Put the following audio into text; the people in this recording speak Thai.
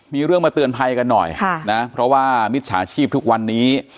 มีเรื่องมาเตือนภัยกันหน่อยค่ะนะเพราะว่ามิจฉาชีพทุกวันนี้